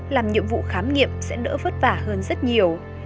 làm nhiệm vụ khám nghiệm sẽ đỡ vất vả hơn rất nhiều